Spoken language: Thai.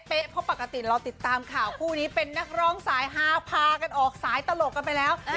เพราะปกติเราติดตามข่าวคู่นี้เป็นนักร้องสายฮาพากันออกสายตลกกันไปแล้ว